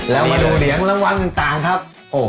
แล้วมาดูเหรียญรางวัลต่างครับ